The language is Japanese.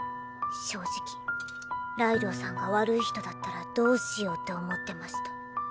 正直ライドウさんが悪い人だったらどうしようって思ってました。